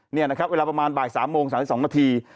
นี่นะครับเวลาประมาณบ่าย๓โมง๓๒นาที